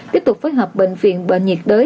tiếp tục phối hợp bệnh viện bệnh nhiệt đới